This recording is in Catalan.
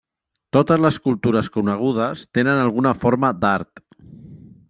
Totes les cultures conegudes tenen alguna forma d'art.